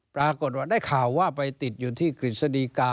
ปรากฏว่าได้ข่าวว่าไปติดอยู่ที่กฤษฎีกา